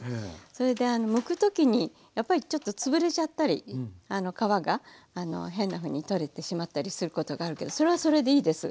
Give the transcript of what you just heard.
それでむく時にやっぱりちょっと潰れちゃったり皮が変なふうに取れてしまったりすることがあるけどそれはそれでいいです。